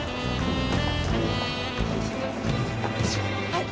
はい。